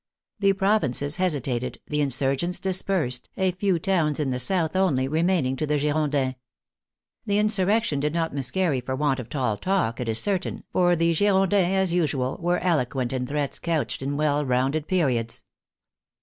The provinces hesitated, the insurgents dispersed, a few towns in the south only re maining to the Girondins. The insurrection did not mis carry for want of tall talk, it is certain, for the Girondins as usual were eloquent in threats couched in well rounded periods.